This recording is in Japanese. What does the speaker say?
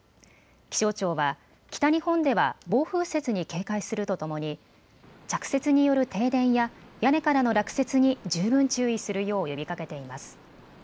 気象庁は北日本では暴風雪に警戒するとともに着雪による停電や屋根からの落雪に十分注意するよう呼びかけています。